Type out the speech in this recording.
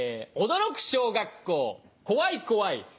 驚く小学校怖い怖い！